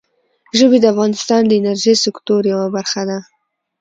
ژبې د افغانستان د انرژۍ سکتور یوه برخه ده.